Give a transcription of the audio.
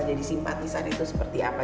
jadi simpatisan itu seperti apa